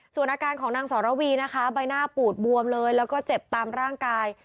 ส่วนอาการของนางสรวีนะคะใบหน้าปูดบวมเลยแล้วก็เจ็บตามร่างกาย